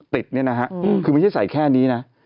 ติดคือไม่ได้ใส่แค่นี้นะ